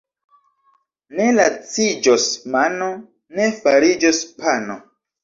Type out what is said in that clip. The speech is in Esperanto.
Ne laciĝos mano, ne fariĝos pano.